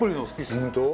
本当？